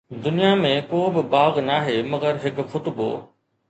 دنيا ۾ ڪو به باغ ناهي مگر هڪ خطبو!